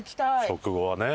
食後はね。